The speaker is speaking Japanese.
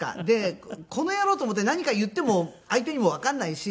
この野郎と思って何か言っても相手にもわかんないし。